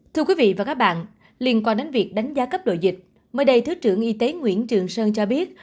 thưa quý vị và các bạn liên quan đến việc đánh giá cấp độ dịch mới đây thứ trưởng y tế nguyễn trường sơn cho biết